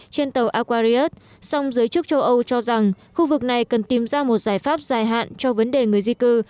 trên tàu aquarius song giới chức châu âu cho rằng khu vực này cần tìm ra một giải pháp dài hạn cho vấn đề người di cư